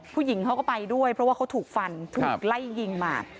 ผู้หญิงเขาก็ไปด้วยเพราะว่าเขาถูกฟันถูกไล่ยิงมา